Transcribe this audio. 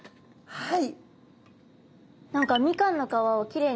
はい。